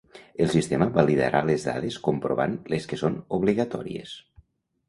El sistema validarà les dades comprovant les que són obligatòries.